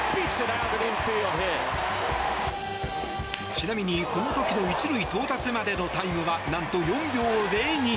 ちなみにこの時の１塁到達までのタイムはなんと４秒０２。